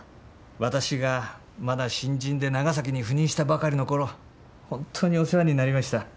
私がまだ新人で長崎に赴任したばかりの頃本当にお世話になりました。